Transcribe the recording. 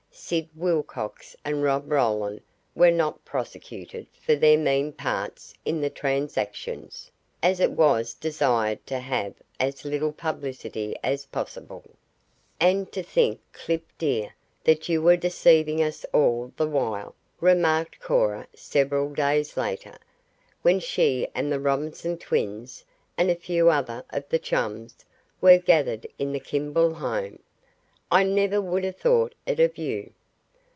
Sid Wilcox and Rob Roland were not prosecuted for their mean parts in the transactions, as it was desired to have as little publicity as possible. "And to think, Clip, dear, that you were deceiving us all the while," remarked Cora several days later, when she and the Robinson twins; and a few other of the chums, were gathered in the Kimball home. "I never would have thought it of you."